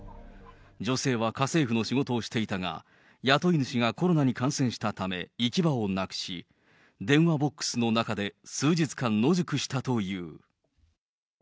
女性は家政婦の仕事をしていたが、雇い主がコロナに感染したため、行き場をなくし、電話ボックスの中で、数日間、野宿したという。